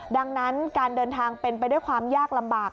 ดังนั้นการเดินทางเป็นไปด้วยความยากลำบาก